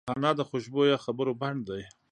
انا د خوشبویه خبرو بڼ دی